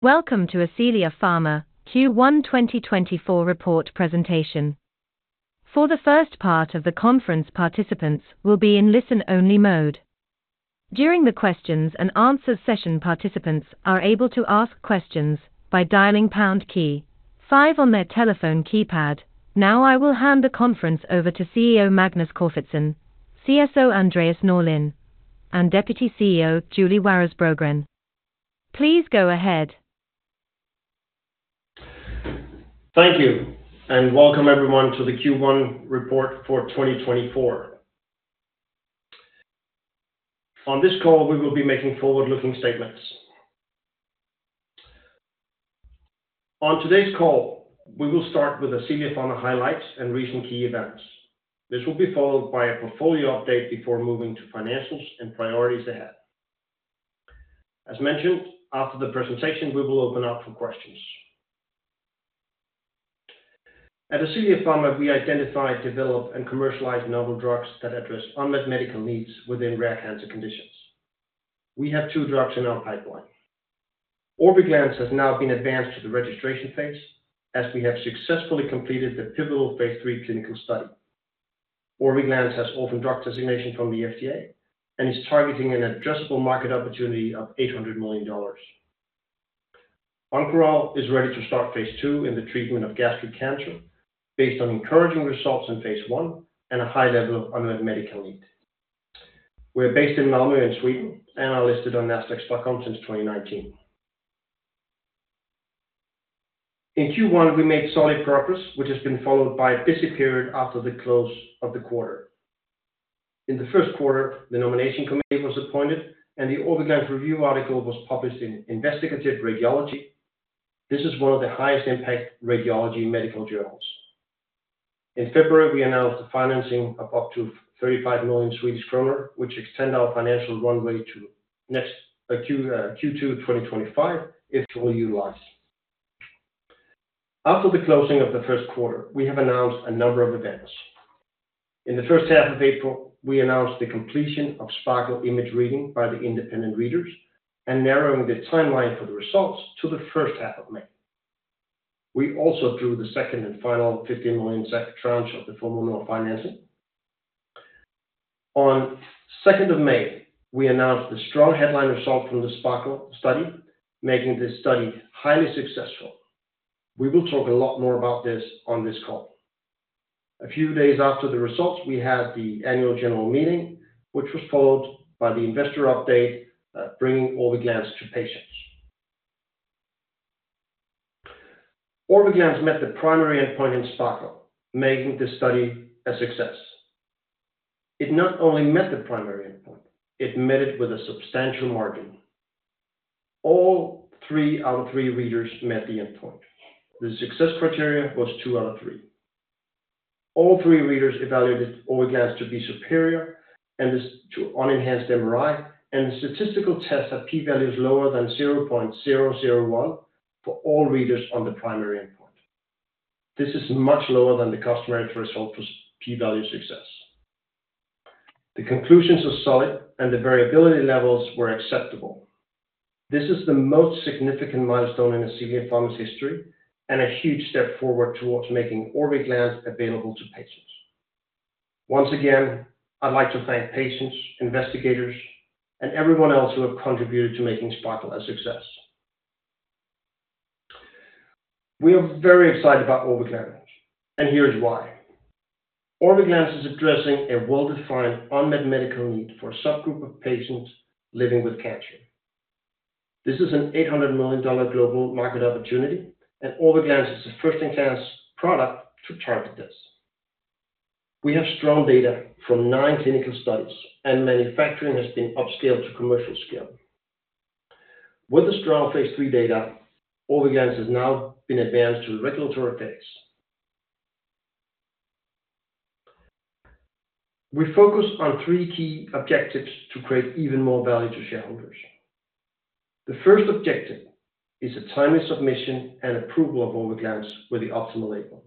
Welcome to Ascelia Pharma Q1 2024 Report Presentation. For the first part of the conference participants will be in listen-only mode. During the questions and answers session participants are able to ask questions by dialing pound key five on their telephone keypad. Now I will hand the conference over to CEO Magnus Corfitzen, CSO Andreas Norlin, and Deputy CEO Julie Waras Brogren. Please go ahead. Thank you, and welcome everyone to the Q1 report for 2024. On this call we will be making forward-looking statements. On today's call we will start with Ascelia Pharma highlights and recent key events. This will be followed by a portfolio update before moving to financials and priorities ahead. As mentioned, after the presentation we will open up for questions. At Ascelia Pharma we identify, develop, and commercialize novel drugs that address unmet medical needs within rare cancer conditions. We have two drugs in our pipeline. Orviglance has now been advanced to the registration phase as we have successfully completed the pivotal phase 3 clinical study. Orviglance has orphan drug designation from the FDA and is targeting an addressable market opportunity of $800 million. Oncoral is ready to start phase 2 in the treatment of gastric cancer based on encouraging results in phase 1 and a high level of unmet medical need. We are based in Malmö in Sweden and are listed on Nasdaq Stockholm since 2019. In Q1 we made solid progress which has been followed by a busy period after the close of the quarter. In the first quarter the nomination committee was appointed and the Orviglance review article was published in Investigative Radiology. This is one of the highest impact radiology medical journals. In February we announced the financing of up to 35 million Swedish kronor which extend our financial runway to Q2 2025 if fully utilized. After the closing of the first quarter we have announced a number of events. In the first half of April we announced the completion of SPARKLE image reading by the independent readers and narrowing the timeline for the results to the first half of May. We also drew the second and final 15 million tranche of the Formue Nord note financing. On 2nd of May we announced the strong headline result from the SPARKLE study making this study highly successful. We will talk a lot more about this on this call. A few days after the results we had the annual general meeting which was followed by the investor update bringing Orviglance to patients. Orviglance met the primary endpoint in SPARKLE making this study a success. It not only met the primary endpoint it met it with a substantial margin. All three out of three readers met the endpoint. The success criteria was two out of three. All three readers evaluated Orviglance to be superior and to enhance the MRI and the statistical tests had p-values lower than 0.001 for all readers on the primary endpoint. This is much lower than the customary threshold for p-value success. The conclusions are solid and the variability levels were acceptable. This is the most significant milestone in Ascelia Pharma's history and a huge step forward towards making Orviglance available to patients. Once again I'd like to thank patients, investigators, and everyone else who have contributed to making SPARKLE a success. We are very excited about Orviglance and here's why. Orviglance is addressing a well-defined unmet medical need for a subgroup of patients living with cancer. This is an $800 million global market opportunity and Orviglance is a first-in-class product to target this. We have strong data from nine clinical studies and manufacturing has been upscaled to commercial scale. With the strong phase 3 data Orviglance has now been advanced to the regulatory phase. We focus on three key objectives to create even more value to shareholders. The first objective is a timely submission and approval of Orviglance with the optimal label.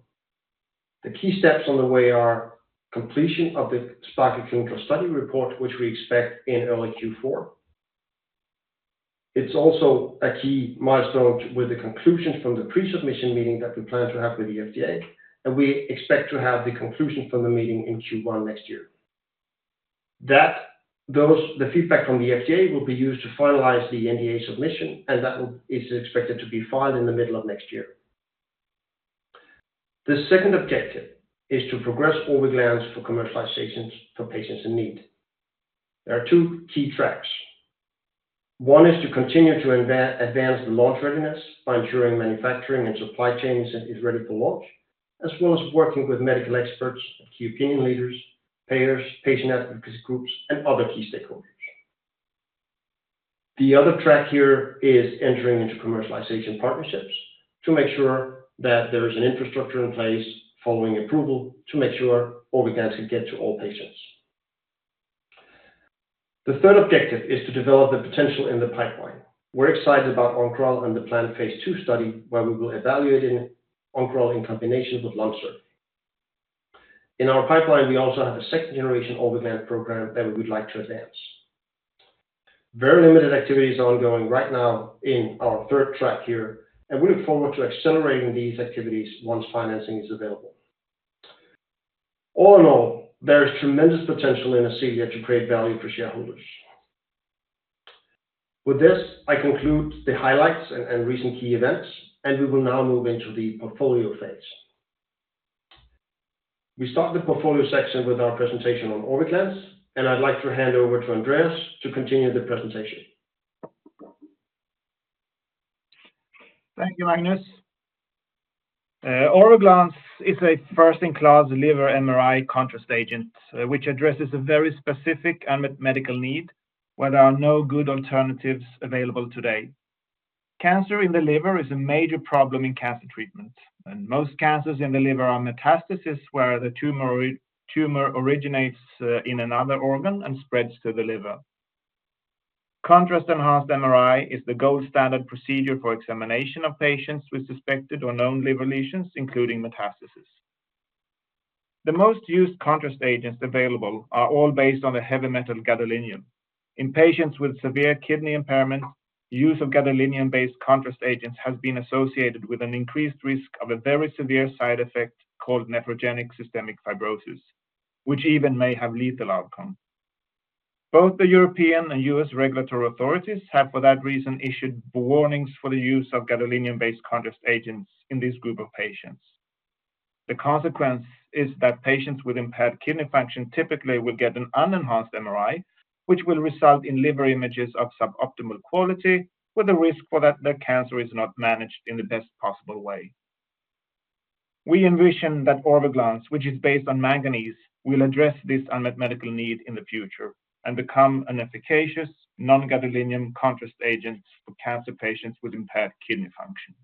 The key steps on the way are completion of the SPARKLE clinical study report which we expect in early Q4. It's also a key milestone with the conclusions from the pre-submission meeting that we plan to have with the FDA and we expect to have the conclusion from the meeting in Q1 next year. The feedback from the FDA will be used to finalize the NDA submission and that is expected to be filed in the middle of next year. The second objective is to progress Orviglance for commercialization for patients in need. There are two key tracks. One is to continue to advance the launch readiness by ensuring manufacturing and supply chains is ready for launch as well as working with medical experts, key opinion leaders, payers, patient advocacy groups, and other key stakeholders. The other track here is entering into commercialization partnerships to make sure that there is an infrastructure in place following approval to make sure Orviglance can get to all patients. The third objective is to develop the potential in the pipeline. We're excited about Oncoral and the planned phase 2 study where we will evaluate Oncoral in combination with Lonsurf. In our pipeline we also have a second generation Orviglance program that we would like to advance. Very limited activities are ongoing right now in our third track here and we look forward to accelerating these activities once financing is available. All in all there is tremendous potential in Ascelia to create value for shareholders. With this I conclude the highlights and recent key events and we will now move into the portfolio phase. We start the portfolio section with our presentation on Orviglance and I'd like to hand over to Andreas to continue the presentation. Thank you, Magnus. Orviglance is a first-in-class liver MRI contrast agent which addresses a very specific unmet medical need where there are no good alternatives available today. Cancer in the liver is a major problem in cancer treatment and most cancers in the liver are metastasis where the tumor originates in another organ and spreads to the liver. Contrast-enhanced MRI is the gold standard procedure for examination of patients with suspected or known liver lesions including metastasis. The most used contrast agents available are all based on the heavy metal gadolinium. In patients with severe kidney impairment use of gadolinium-based contrast agents has been associated with an increased risk of a very severe side effect called nephrogenic systemic fibrosis which even may have lethal outcome. Both the European and U.S. regulatory authorities have for that reason issued warnings for the use of gadolinium-based contrast agents in this group of patients. The consequence is that patients with impaired kidney function typically will get an unenhanced MRI which will result in liver images of suboptimal quality with a risk for that the cancer is not managed in the best possible way. We envision that Orviglance which is based on manganese will address this unmet medical need in the future and become an efficacious non-gadolinium contrast agent for cancer patients with impaired kidney function.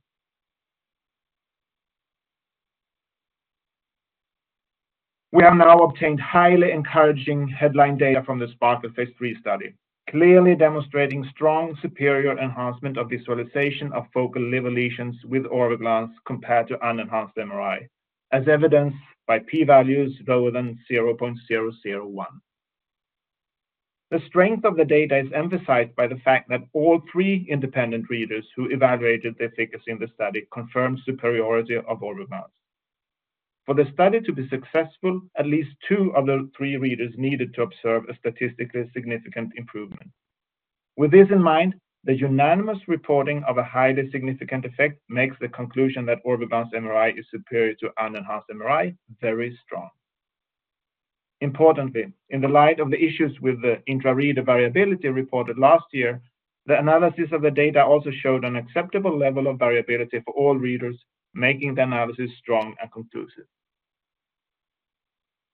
We have now obtained highly encouraging headline data from the SPARKLE phase 3 study clearly demonstrating strong superior enhancement of visualization of focal liver lesions with Orviglance compared to unenhanced MRI as evidenced by p-values lower than 0.001. The strength of the data is emphasized by the fact that all three independent readers who evaluated the efficacy in the study confirmed superiority of Orviglance. For the study to be successful, at least two of the three readers needed to observe a statistically significant improvement. With this in mind, the unanimous reporting of a highly significant effect makes the conclusion that Orviglance MRI is superior to unenhanced MRI very strong. Importantly, in the light of the issues with the intrareader variability reported last year, the analysis of the data also showed an acceptable level of variability for all readers, making the analysis strong and conclusive.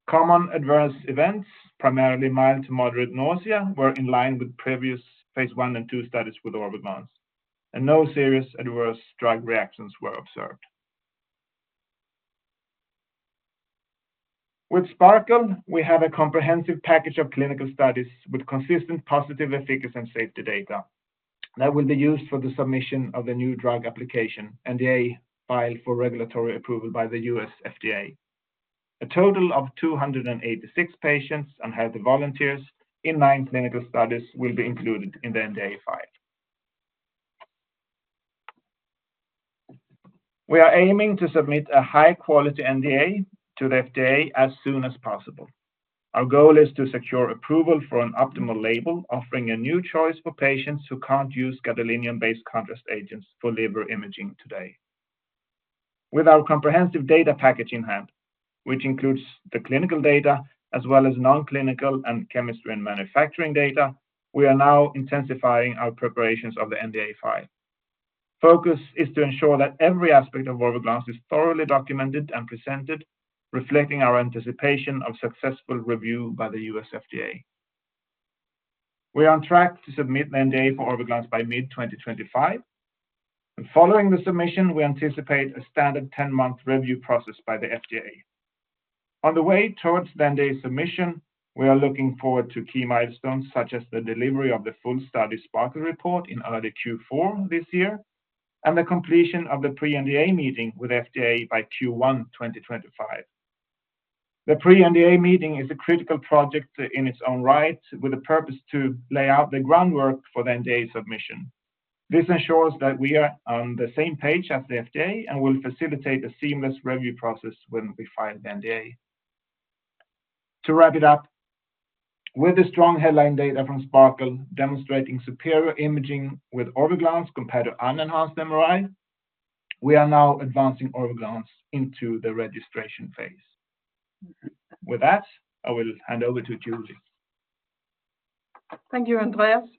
Common adverse events, primarily mild to moderate nausea, were in line with previous phase 1 and 2 studies with Orviglance, and no serious adverse drug reactions were observed. With SPARKLE, we have a comprehensive package of clinical studies with consistent positive efficacy and safety data that will be used for the submission of the new drug application NDA file for regulatory approval by the U.S. FDA. A total of 286 patients and healthy volunteers in nine clinical studies will be included in the NDA file. We are aiming to submit a high-quality NDA to the FDA as soon as possible. Our goal is to secure approval for an optimal label offering a new choice for patients who can't use gadolinium-based contrast agents for liver imaging today. With our comprehensive data package in hand, which includes the clinical data as well as non-clinical and chemistry and manufacturing data, we are now intensifying our preparations of the NDA file. Focus is to ensure that every aspect of Orviglance is thoroughly documented and presented, reflecting our anticipation of successful review by the U.S. FDA. We are on track to submit the NDA for Orviglance by mid-2025 and following the submission we anticipate a standard 10-month review process by the FDA. On the way towards the NDA submission we are looking forward to key milestones such as the delivery of the full study SPARKLE report in early Q4 this year and the completion of the pre-NDA meeting with FDA by Q1 2025. The pre-NDA meeting is a critical project in its own right with the purpose to lay out the groundwork for the NDA submission. This ensures that we are on the same page as the FDA and will facilitate a seamless review process when we file the NDA. To wrap it up with the strong headline data from SPARKLE demonstrating superior imaging with Orviglance compared to unenhanced MRI we are now advancing Orviglance into the registration phase. With that I will hand over to Julie. Thank you, Andreas.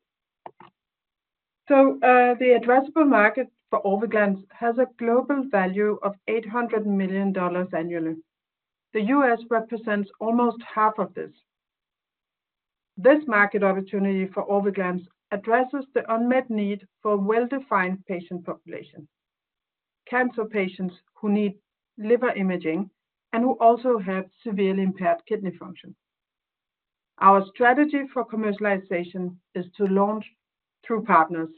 So the addressable market for Orviglance has a global value of $800 million annually. The U.S. represents almost half of this. This market opportunity for Orviglance addresses the unmet need for a well-defined patient population: cancer patients who need liver imaging and who also have severely impaired kidney function. Our strategy for commercialization is to launch through partners.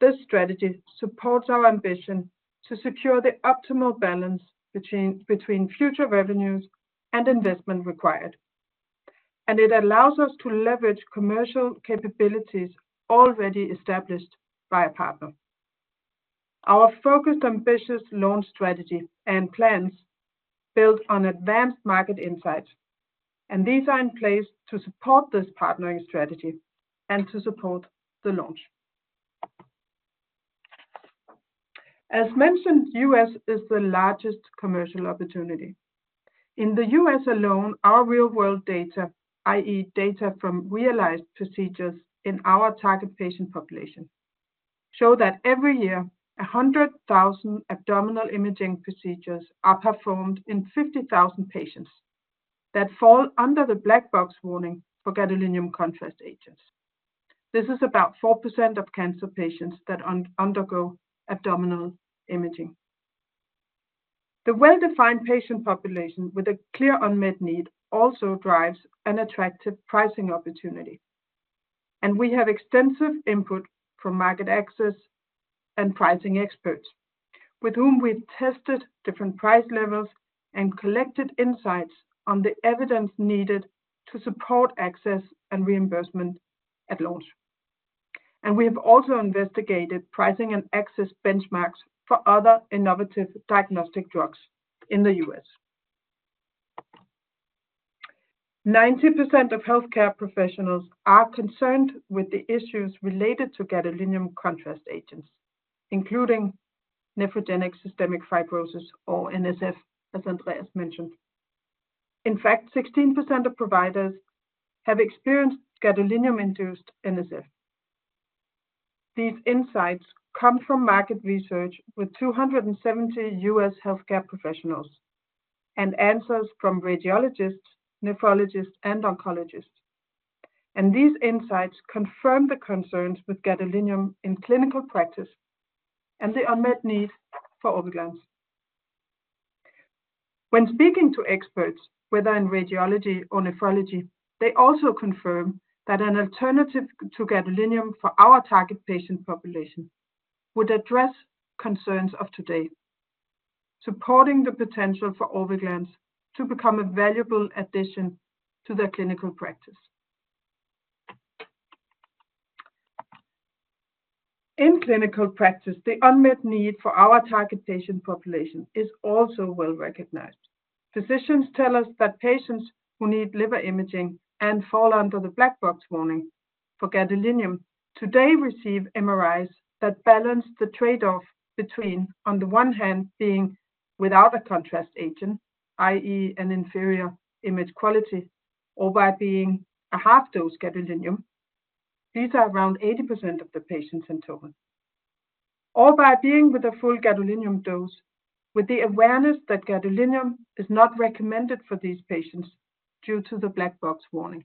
This strategy supports our ambition to secure the optimal balance between future revenues and investment required and it allows us to leverage commercial capabilities already established by a partner. Our focused ambitious launch strategy and plans build on advanced market insights and these are in place to support this partnering strategy and to support the launch. As mentioned U.S. is the largest commercial opportunity. In the U.S. alone our real-world data i.e. Data from realized procedures in our target patient population show that every year 100,000 abdominal imaging procedures are performed in 50,000 patients that fall under the black box warning for gadolinium contrast agents. This is about 4% of cancer patients that undergo abdominal imaging. The well-defined patient population with a clear unmet need also drives an attractive pricing opportunity, and we have extensive input from market access and pricing experts with whom we've tested different price levels and collected insights on the evidence needed to support access and reimbursement at launch, and we have also investigated pricing and access benchmarks for other innovative diagnostic drugs in the US. 90% of healthcare professionals are concerned with the issues related to gadolinium contrast agents including nephrogenic systemic fibrosis or NSF as Andreas mentioned. In fact, 16% of providers have experienced gadolinium-induced NSF. These insights come from market research with 270 U.S. healthcare professionals and answers from radiologists, nephrologists, and oncologists, and these insights confirm the concerns with gadolinium in clinical practice and the unmet need for Orviglance. When speaking to experts whether in radiology or nephrology, they also confirm that an alternative to gadolinium for our target patient population would address concerns of today, supporting the potential for Orviglance to become a valuable addition to their clinical practice. In clinical practice, the unmet need for our target patient population is also well recognized. Physicians tell us that patients who need liver imaging and fall under the black box warning for gadolinium today receive MRIs that balance the trade-off between, on the one hand, being without a contrast agent, i.e., an inferior image quality, or by being a half dose gadolinium. These are around 80% of the patients in total. Or by being with a full gadolinium dose with the awareness that gadolinium is not recommended for these patients due to the black box warning.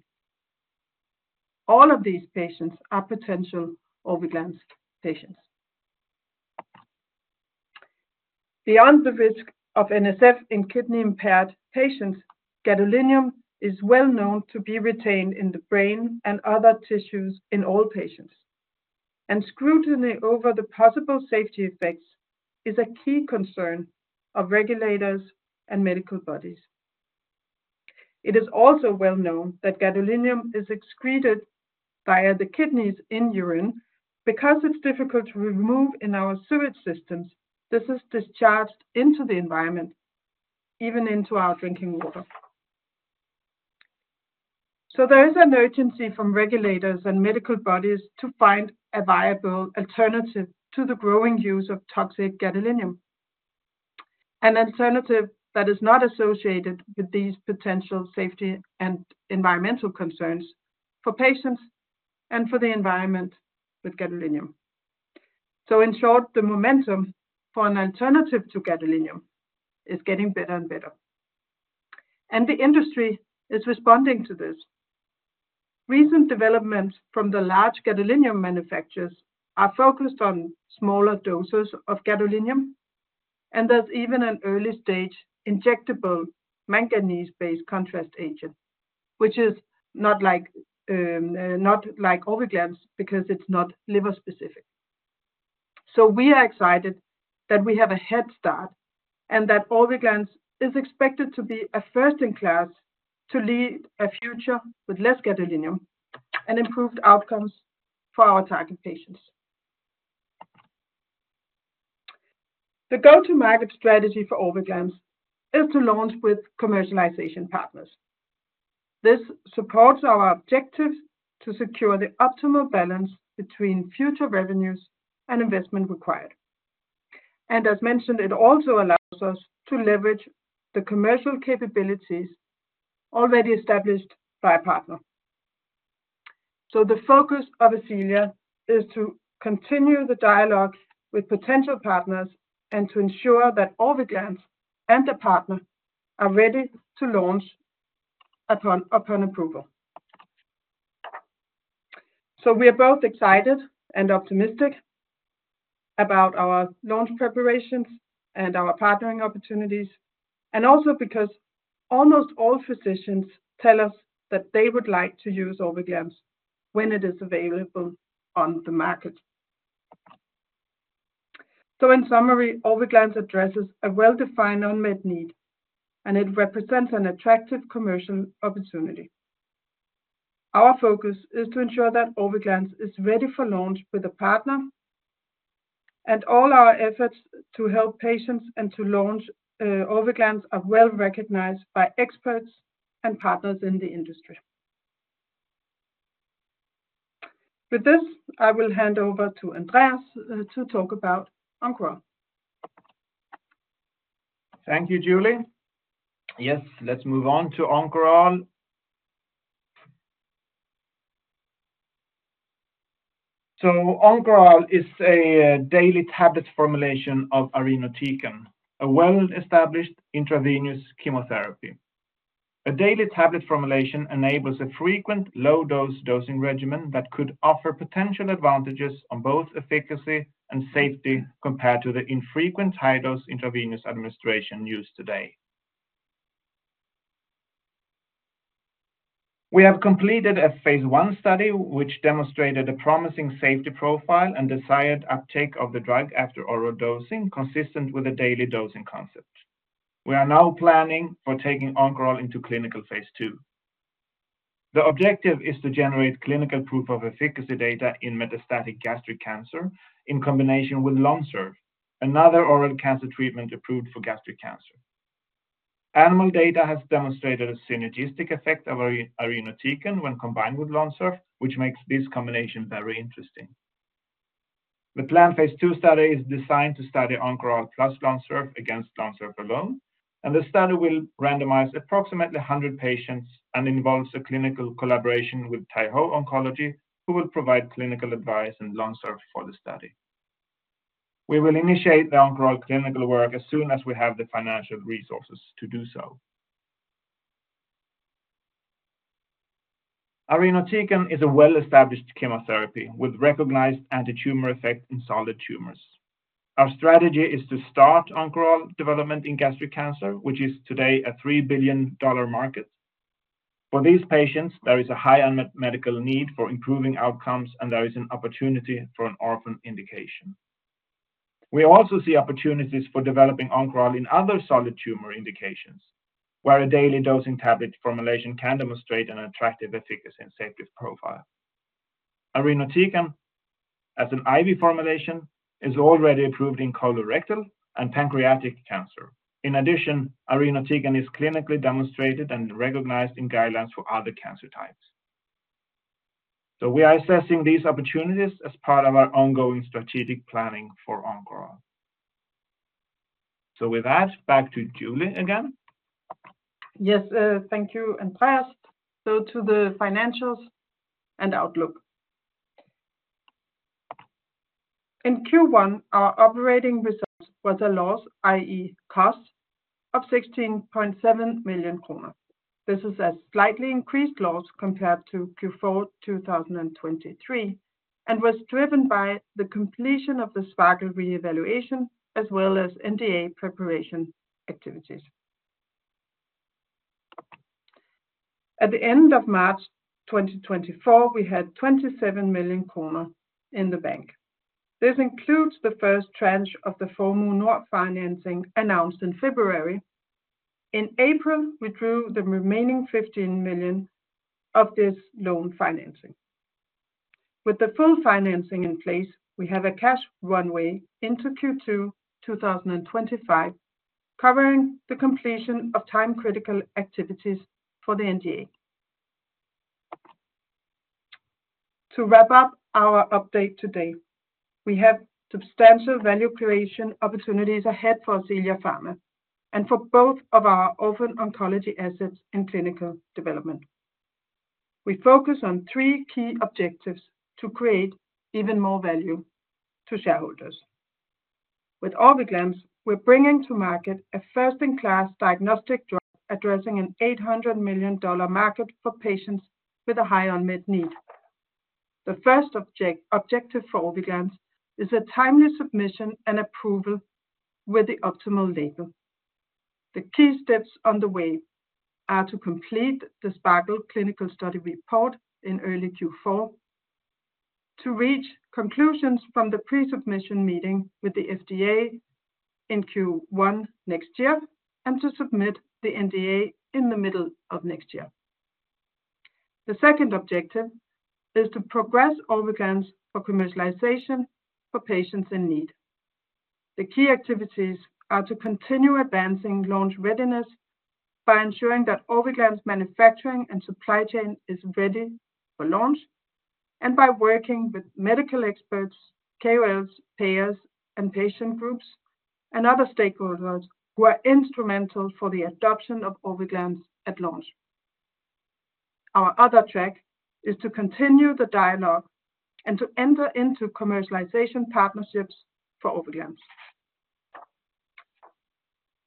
All of these patients are potential Orviglance patients. Beyond the risk of NSF in kidney impaired patients, gadolinium is well known to be retained in the brain and other tissues in all patients, and scrutiny over the possible safety effects is a key concern of regulators and medical bodies. It is also well known that gadolinium is excreted via the kidneys in urine because it's difficult to remove in our sewage systems. This is discharged into the environment even into our drinking water. So there is an urgency from regulators and medical bodies to find a viable alternative to the growing use of toxic gadolinium. An alternative that is not associated with these potential safety and environmental concerns for patients and for the environment with gadolinium. So in short the momentum for an alternative to gadolinium is getting better and better and the industry is responding to this. Recent developments from the large gadolinium manufacturers are focused on smaller doses of gadolinium and there's even an early stage injectable manganese-based contrast agent which is not like Orviglance because it's not liver specific. So we are excited that we have a head start and that Orviglance is expected to be a first-in-class to lead a future with less gadolinium and improved outcomes for our target patients. The go-to-market strategy for Orviglance is to launch with commercialization partners. This supports our objectives to secure the optimal balance between future revenues and investment required, and as mentioned, it also allows us to leverage the commercial capabilities already established by a partner. So the focus of Ascelia is to continue the dialogue with potential partners and to ensure that Orviglance and their partner are ready to launch upon approval. So we are both excited and optimistic about our launch preparations and our partnering opportunities and also because almost all physicians tell us that they would like to use Orviglance when it is available on the market. So in summary, Orviglance addresses a well-defined unmet need and it represents an attractive commercial opportunity. Our focus is to ensure that Orviglance is ready for launch with a partner and all our efforts to help patients and to launch Orviglance are well recognized by experts and partners in the industry. With this I will hand over to Andreas to talk about Oncoral. Thank you, Julie. Yes, let's move on to Oncoral. So Oncoral is a daily tablet formulation of irinotecan, a well-established intravenous chemotherapy. A daily tablet formulation enables a frequent low-dose dosing regimen that could offer potential advantages on both efficacy and safety compared to the infrequent high-dose intravenous administration used today. We have completed a phase 1 study which demonstrated a promising safety profile and desired uptake of the drug after oral dosing consistent with the daily dosing concept. We are now planning for taking Oncoral into clinical phase 2. The objective is to generate clinical proof of efficacy data in metastatic gastric cancer in combination with Lonsurf, another oral cancer treatment approved for gastric cancer. Animal data has demonstrated a synergistic effect of irinotecan when combined with Lonsurf which makes this combination very interesting. The planned phase 2 study is designed to study Oncoral plus Lonsurf against Lonsurf alone and the study will randomize approximately 100 patients and involves a clinical collaboration with Taiho Oncology who will provide clinical advice and Lonsurf for the study. We will initiate the Oncoral clinical work as soon as we have the financial resources to do so. Irinotecan is a well-established chemotherapy with recognized anti-tumor effect in solid tumors. Our strategy is to start Oncoral development in gastric cancer which is today a $3 billion market. For these patients there is a high unmet medical need for improving outcomes and there is an opportunity for an orphan indication. We also see opportunities for developing Oncoral in other solid tumor indications where a daily dosing tablet formulation can demonstrate an attractive efficacy and safety profile. Irinotecan as an IV formulation is already approved in colorectal and pancreatic cancer. In addition, irinotecan is clinically demonstrated and recognized in guidelines for other cancer types. So we are assessing these opportunities as part of our ongoing strategic planning for Oncoral. So with that, back to Julie again. Yes, thank you, Andreas. So, to the financials and outlook. In Q1 our operating result was a loss, i.e., cost of 16.7 million kronor. This is a slightly increased loss compared to Q4 2023 and was driven by the completion of the SPARKLE reevaluation as well as NDA preparation activities. At the end of March 2024 we had 27 million kronor in the bank. This includes the first tranche of the Formue Nord financing announced in February. In April we drew the remaining 15 million of this loan financing. With the full financing in place we have a cash runway into Q2 2025 covering the completion of time-critical activities for the NDA. To wrap up our update today we have substantial value creation opportunities ahead for Ascelia Pharma and for both of our orphan oncology assets in clinical development. We focus on three key objectives to create even more value to shareholders. With Orviglance we're bringing to market a first-in-class diagnostic drug addressing an $800 million market for patients with a high unmet need. The first objective for Orviglance is a timely submission and approval with the optimal label. The key steps on the way are to complete the SPARKLE clinical study report in early Q4, to reach conclusions from the pre-submission meeting with the FDA in Q1 next year and to submit the NDA in the middle of next year. The second objective is to progress Orviglance for commercialization for patients in need. The key activities are to continue advancing launch readiness by ensuring that Orviglance manufacturing and supply chain is ready for launch and by working with medical experts, KOLs, payers, and patient groups and other stakeholders who are instrumental for the adoption of Orviglance at launch. Our other track is to continue the dialogue and to enter into commercialization partnerships for Orviglance.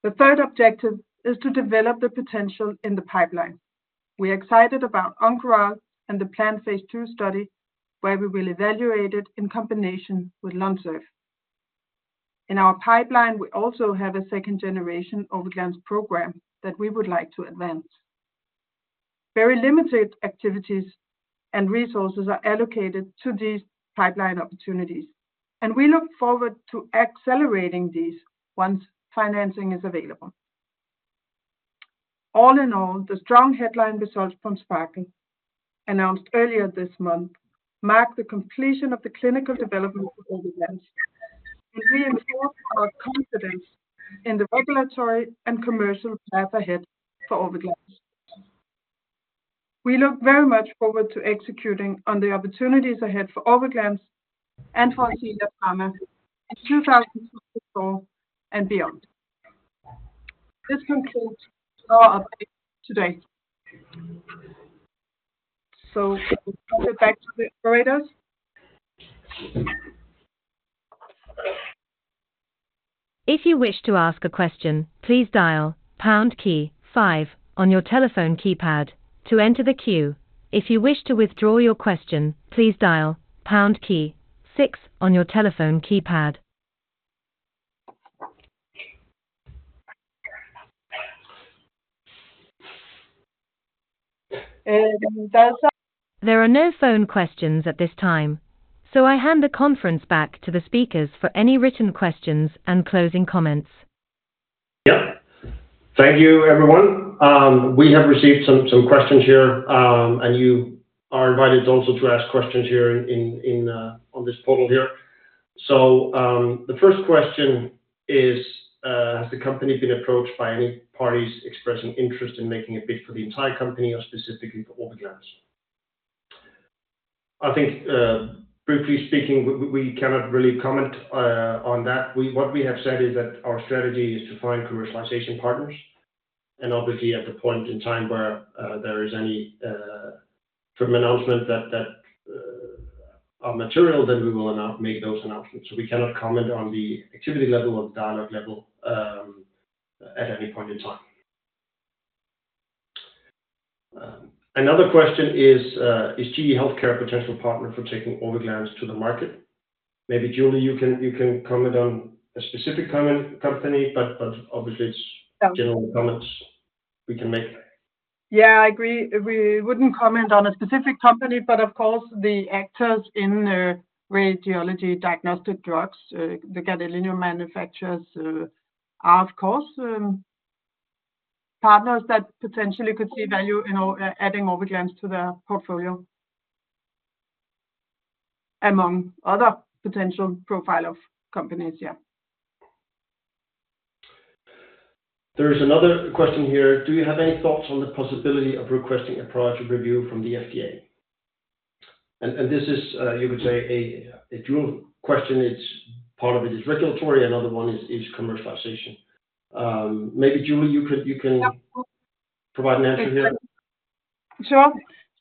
The third objective is to develop the potential in the pipeline. We are excited about Oncoral and the planned phase 2 study where we will evaluate it in combination with Lonsurf. In our pipeline we also have a second generation Orviglance program that we would like to advance. Very limited activities and resources are allocated to these pipeline opportunities and we look forward to accelerating these once financing is available. All in all the strong headline results from SPARKLE announced earlier this month mark the completion of the clinical development for Orviglance and reinforce our confidence in the regulatory and commercial path ahead for Orviglance. We look very much forward to executing on the opportunities ahead for Orviglance and for Ascelia Pharma in 2024 and beyond. This concludes our update today. We'll hand it back to the operators. If you wish to ask a question please dial pound key 5 on your telephone keypad to enter the queue. If you wish to withdraw your question please dial pound key 6 on your telephone keypad. And does. There are no phone questions at this time so I hand the conference back to the speakers for any written questions and closing comments. Yep. Thank you, everyone. We have received some questions here and you are invited also to ask questions here on this portal here. So the first question is has the company been approached by any parties expressing interest in making a bid for the entire company or specifically for Orviglance? I think briefly speaking we cannot really comment on that. What we have said is that our strategy is to find commercialization partners and obviously at the point in time where there is any firm announcement that our material then we will not make those announcements. So we cannot comment on the activity level or the dialogue level at any point in time. Another question is GE Healthcare a potential partner for taking Orviglance to the market? Maybe, Julie, you can comment on a specific company but obviously it's general comments we can make. Yeah, I agree we wouldn't comment on a specific company, but of course the actors in radiology diagnostic drugs, the gadolinium manufacturers, are of course partners that potentially could see value in adding Orviglance to their portfolio among other potential profile of companies, yeah. There is another question here. Do you have any thoughts on the possibility of requesting a priority review from the FDA? And this is, you could say, a dual question. Part of it is regulatory, and another one is commercialization. Maybe Julie, you can provide an answer here. Sure.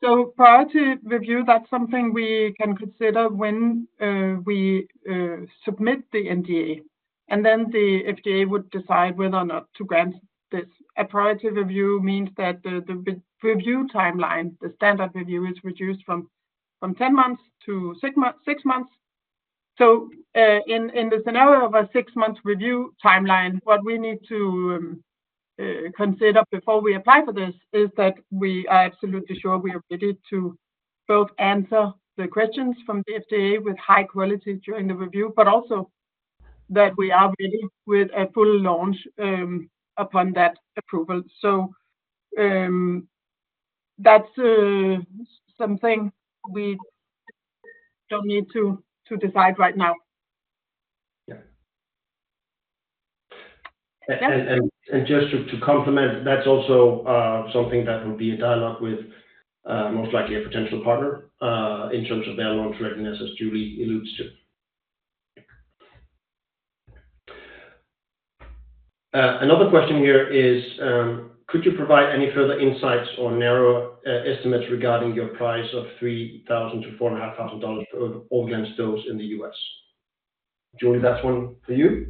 So priority review, that's something we can consider when we submit the NDA, and then the FDA would decide whether or not to grant this. A priority review means that the review timeline, the standard review, is reduced from 10 months to 6 months. So in the scenario of a 6-month review timeline, what we need to consider before we apply for this is that we are absolutely sure we are ready to both answer the questions from the FDA with high quality during the review, but also that we are ready with a full launch upon that approval. So that's something we don't need to decide right now. Yeah. Just to complement, that's also something that will be a dialogue with most likely a potential partner in terms of their launch readiness as Julie alludes to. Another question here is could you provide any further insights or narrower estimates regarding your price of $3,000-$4,500 per Orviglance dose in the US? Julie, that's one for you.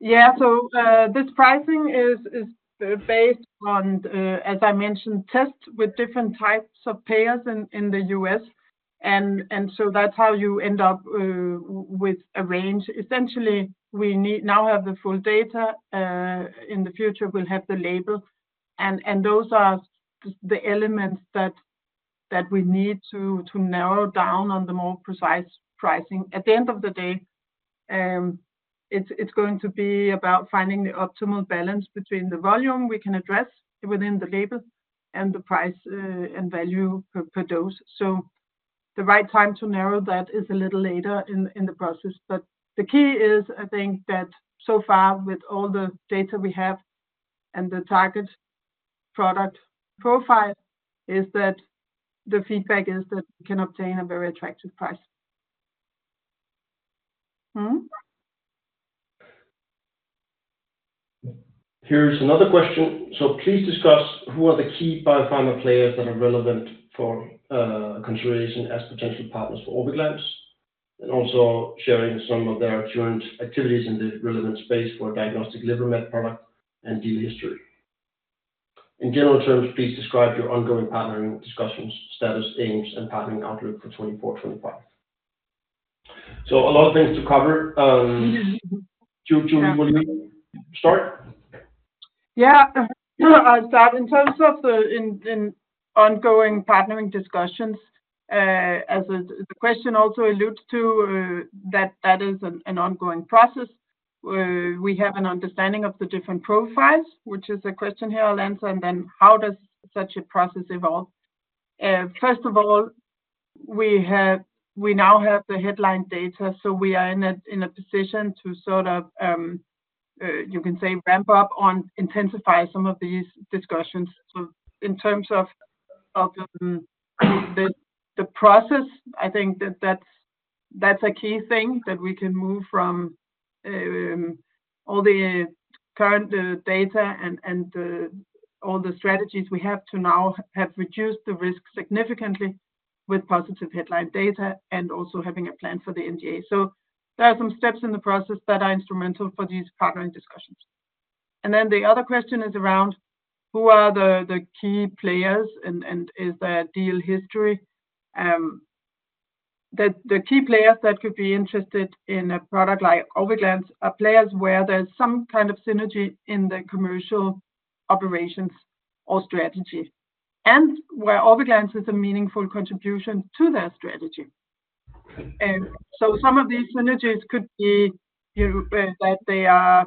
Yeah, so this pricing is based on, as I mentioned, tests with different types of payers in the U.S. and so that's how you end up with a range. Essentially we now have the full data, in the future we'll have the label, and those are the elements that we need to narrow down on the more precise pricing. At the end of the day it's going to be about finding the optimal balance between the volume we can address within the label and the price and value per dose. So the right time to narrow that is a little later in the process but the key is I think that so far with all the data we have and the target product profile is that the feedback is that we can obtain a very attractive price. Here's another question. So please discuss who are the key biopharma players that are relevant for consideration as potential partners for Orviglance and also sharing some of their current activities in the relevant space for diagnostic liver med product and deal history. In general terms please describe your ongoing partnering discussions, status, aims, and partnering outlook for 2024/2025. So a lot of things to cover. Julie will you start? Yeah, I'll start. In terms of the ongoing partnering discussions, as the question also alludes to, that is an ongoing process. We have an understanding of the different profiles which is a question here I'll answer and then how does such a process evolve? First of all we now have the headline data so we are in a position to sort of, you can say, ramp up on intensify some of these discussions. So in terms of the process I think that's a key thing that we can move from all the current data and all the strategies we have to now have reduced the risk significantly with positive headline data and also having a plan for the NDA. So there are some steps in the process that are instrumental for these partnering discussions. The other question is around who are the key players and is there a deal history? The key players that could be interested in a product like Orviglance are players where there's some kind of synergy in the commercial operations or strategy and where Orviglance is a meaningful contribution to their strategy. Some of these synergies could be that they are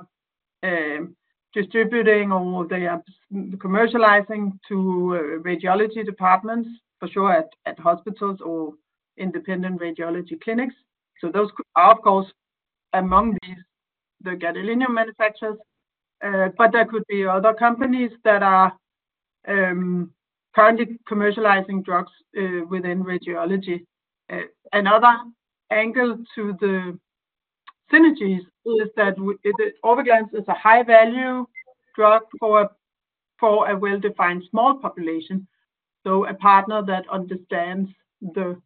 distributing or they are commercializing to radiology departments for sure at hospitals or independent radiology clinics. Those are of course among these the gadolinium manufacturers but there could be other companies that are currently commercializing drugs within radiology. Another angle to the synergies is that Orviglance is a high-value drug for a well-defined small population. So a partner that understands the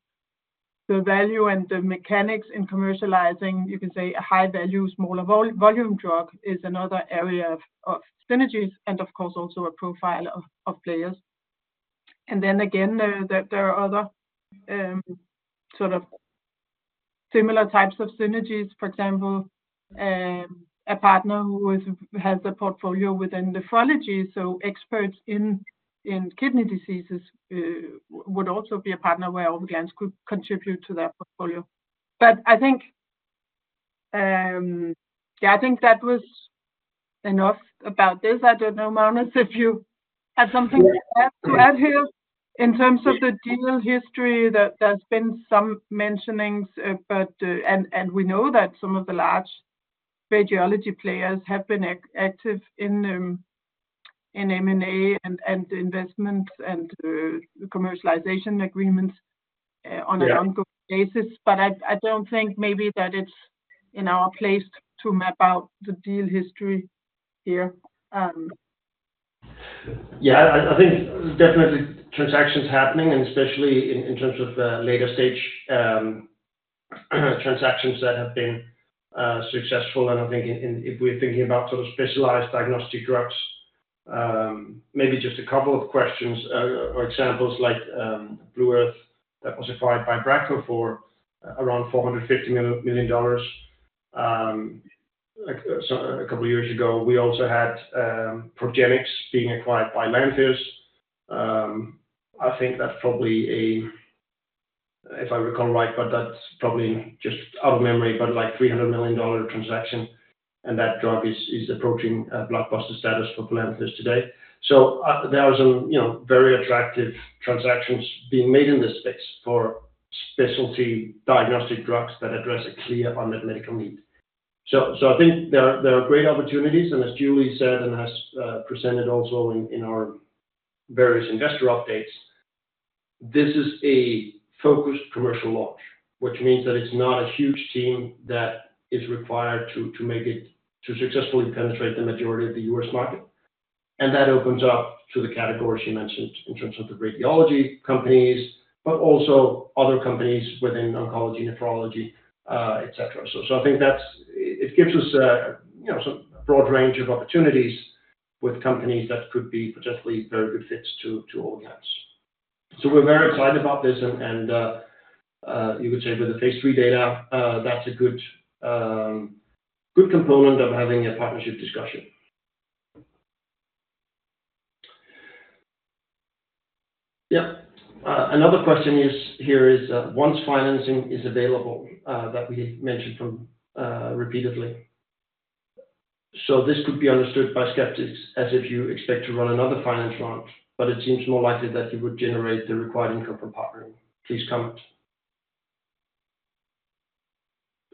value and the mechanics in commercializing, you can say, a high-value smaller volume drug is another area of synergies and of course also a profile of players. And then again there are other sort of similar types of synergies. For example, a partner who has a portfolio within nephrology, so experts in kidney diseases, would also be a partner where Orviglance could contribute to their portfolio. But I think, yeah, I think that was enough about this. I don't know, Magnus, if you had something to add here in terms of the deal history. There's been some mentionings but and we know that some of the large radiology players have been active in M&A and investments and commercialization agreements on an ongoing basis. But I don't think maybe that it's in our place to map out the deal history here. Yeah, I think definitely transactions happening and especially in terms of later stage transactions that have been successful. I think if we're thinking about sort of specialized diagnostic drugs, maybe just a couple of questions or examples like Blue Earth that was acquired by Bracco for around $450 million a couple of years ago. We also had Progenics being acquired by Lantheus. I think that's probably a, if I recall right, but that's probably just out of memory, but like a $300 million transaction and that drug is approaching blockbuster status for Lantheus today. There are some very attractive transactions being made in this space for specialty diagnostic drugs that address a clear unmet medical need. So I think there are great opportunities and as Julie said and has presented also in our various investor updates, this is a focused commercial launch which means that it's not a huge team that is required to make it to successfully penetrate the majority of the U.S. market. And that opens up to the categories you mentioned in terms of the radiology companies but also other companies within oncology, nephrology, etc. So I think that's it gives us some broad range of opportunities with companies that could be potentially very good fits to Orviglance. So we're very excited about this and you could say with the phase 3 data that's a good component of having a partnership discussion. Yep. Another question here is once financing is available that we mentioned from repeatedly. So this could be understood by skeptics as if you expect to run another finance tranche, but it seems more likely that you would generate the required income from partnering. Please comment.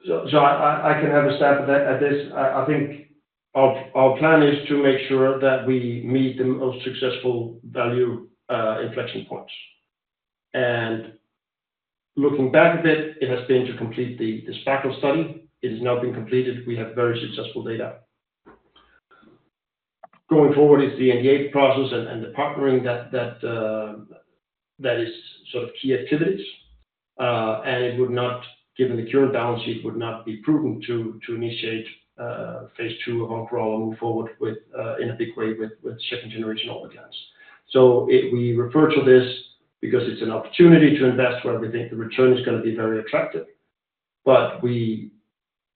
So I can have a stab at this. I think our plan is to make sure that we meet the most successful value inflection points. Looking back a bit, it has been to complete the SPARKLE study. It has now been completed. We have very successful data. Going forward is the NDA process and the partnering that is sort of key activities, and it would not, given the current balance sheet, would not be prudent to initiate phase 2 of Oncoral or move forward in a big way with second-generation Orviglance. So we refer to this because it's an opportunity to invest where we think the return is going to be very attractive but we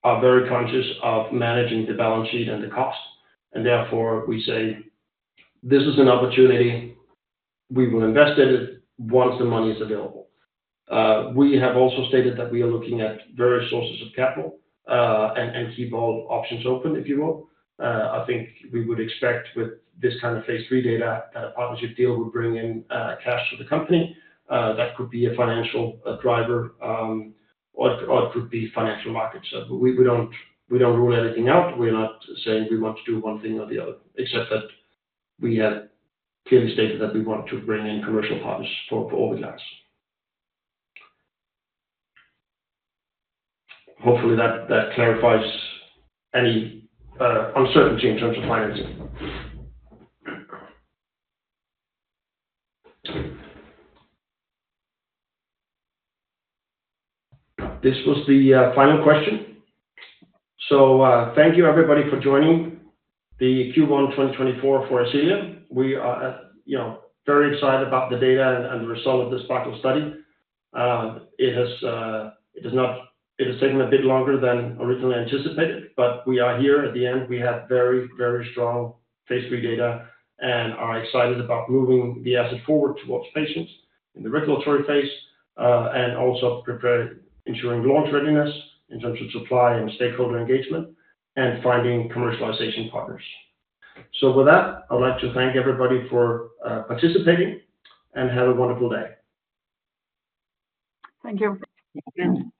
are very conscious of managing the balance sheet and the cost and therefore we say this is an opportunity. We will invest in it once the money is available. We have also stated that we are looking at various sources of capital and keep all options open, if you will. I think we would expect with this kind of phase 3 data that a partnership deal would bring in cash to the company. That could be a financial driver or it could be financial markets. We don't rule anything out. We're not saying we want to do one thing or the other except that we have clearly stated that we want to bring in commercial partners for Orviglance. Hopefully that clarifies any uncertainty in terms of financing. This was the final question. So thank you everybody for joining the Q1 2024 for Ascelia. We are very excited about the data and the result of the SPARKLE study. It has taken a bit longer than originally anticipated but we are here at the end. We have very, very strong phase 3 data and are excited about moving the asset forward towards patients in the regulatory phase and also ensuring launch readiness in terms of supply and stakeholder engagement and finding commercialization partners. So with that I'd like to thank everybody for participating and have a wonderful day. Thank you. Thank you.